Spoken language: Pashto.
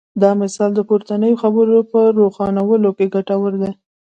دا مثال د پورتنیو خبرو په روښانولو کې ګټور دی.